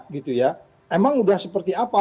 gitu ya emang udah seperti apa